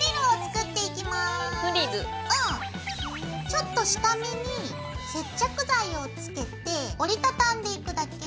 ちょっと下めに接着剤をつけて折り畳んでいくだけ。